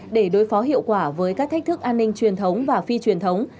để đối phó hiệu quả với các thách thức an ninh truyền thống và phi truyền thống